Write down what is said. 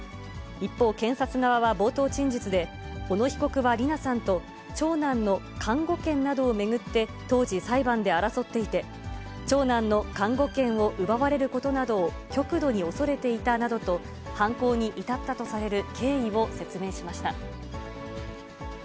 一方、検察側は冒頭陳述で、小野被告は理奈さんと長男の監護権などを巡って、当時、裁判で争っていて、長男の監護権を奪われることなどを、極度に恐れていたなどと、犯行に至ったとされる経緯を説明しました。